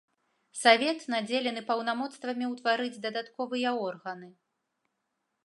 Савет надзелены паўнамоцтвамі ўтвараць дадатковыя органы.